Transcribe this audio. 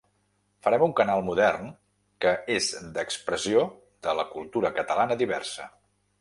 Farem un canal modern que és expressió de la cultura catalana diversa.